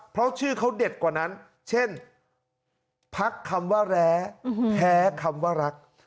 เพราะชื่อเขาเด็ดกว่านั้นเช่นพักคำว่าแร้แพ้คำว่ารัก